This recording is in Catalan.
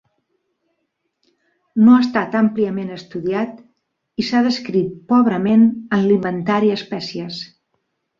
No ha estat àmpliament estudiat i s'ha descrit pobrament en l'inventari espècies.